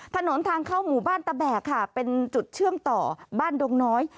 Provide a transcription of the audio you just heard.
ถนนทางเข้าหมู่บ้านตะแบกค่ะเป็นจุดเชื่อมต่อบ้านดงน้อย